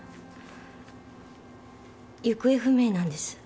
行方不明なんです。